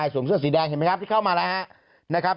เสื้อสีแดงเห็นไหมครับที่เข้ามาแล้วนะครับ